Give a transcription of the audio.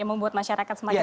yang membuat masyarakat semakin